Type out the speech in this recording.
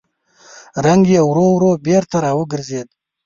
رنګ يې ورو ورو بېرته راوګرځېد.